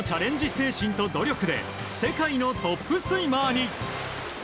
精神と努力で世界のトップスイマーに。